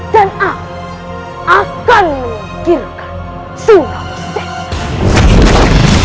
dan aku akan memungkinkan surau seksa